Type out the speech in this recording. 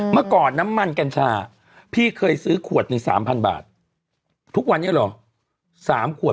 เมื่อก่อนน้ำมันกัญชาพี่เคยซื้อขวดหนึ่ง๓๐๐บาททุกวันนี้เหรอ๓ขวด